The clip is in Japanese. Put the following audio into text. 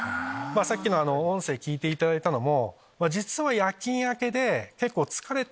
さっきの音声聞いていただいたのも。